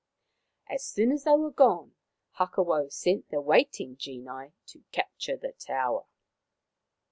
As soon as they were gone Hakawau sent the waiting genii to capture the tower.